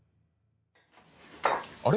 あれ？